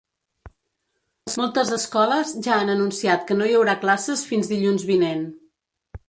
Moltes escoles ja han anunciat que no hi haurà classes fins dilluns vinent.